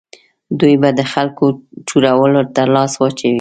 دوی به د خلکو چورولو ته لاس واچوي.